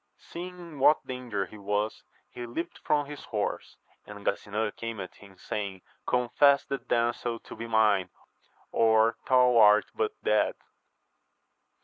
Seeing in what danger he was, he leaped from his horse ; and Gasinan came at him, saying, Confess the damsel to be mine, or thou art but dead